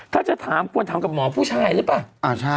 ถ้าจะถามควรทำกับหมอผู้ชายหรือเปล่า